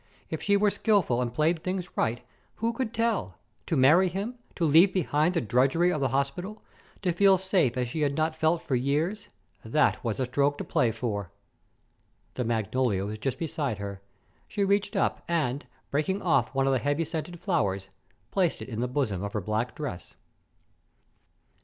If she were skillful and played things right, who could tell? To marry him, to leave behind the drudgery of the hospital, to feel safe as she had not felt for years, that was a stroke to play for! The magnolia was just beside her. She reached up and, breaking off one of the heavy scented flowers, placed it in the bosom of her black dress.